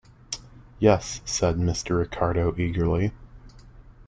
"Yes," said Mr. Ricardo eagerly.